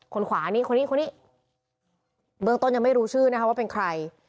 ขวานี่คนนี้คนนี้เบื้องต้นยังไม่รู้ชื่อนะคะว่าเป็นใคร